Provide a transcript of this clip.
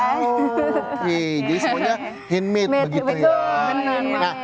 oke jadi semuanya handmade begitu ya